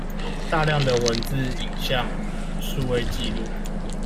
大量的文字、影像與數位紀錄